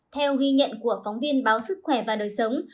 theo ghi nhận của phóng viên báo sức khỏe và đời sống